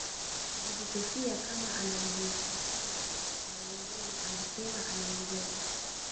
Bibi Sophia kama anavyojulikana na wengine anasema anaongeza